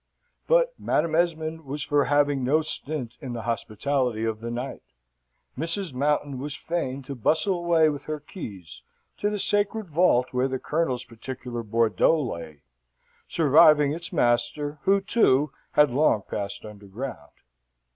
But Madam Esmond was for having no stint in the hospitality of the night. Mrs. Mountain was fain to bustle away with her keys to the sacred vault where the Colonel's particular Bordeaux lay, surviving its master, who, too, had long passed underground.